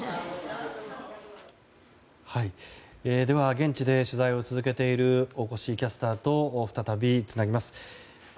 では、現地で取材を続けている大越キャスターと再びつなぎます。